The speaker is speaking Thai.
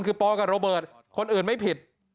คือปอกับโรเบิร์ตคนอื่นไม่ผิด